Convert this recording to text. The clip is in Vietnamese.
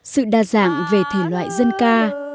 sự đa dạng về thể loại dân ca